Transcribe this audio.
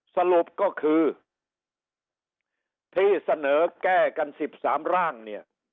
สรุปก็คือที่เสนอแก้กัน๑๓ร่างเนี่ย